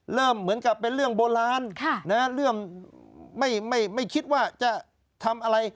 เริ่มเหมือนกับเป็นเรื่องโบราณเริ่มไม่คิดว่าจะทำอะไร